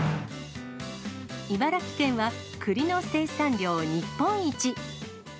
茨城県はくりの生産量日本一。